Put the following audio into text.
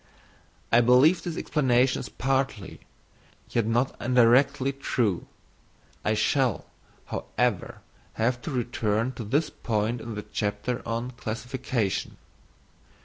I believe this explanation is partly, yet only indirectly, true; I shall, however, have to return to this point in the chapter on Classification.